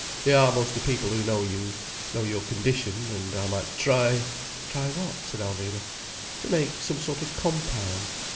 They are mostly people who know you, know your condition: and I might try—" "Try what?" said Alvina. "To make some sort of compound.